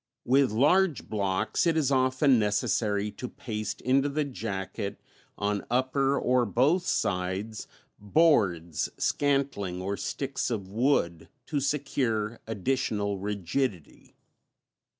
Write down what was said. With large blocks it is often necessary to paste into the jacket, on upper or both sides, boards, scantling or sticks of wood to secure additional rigidity.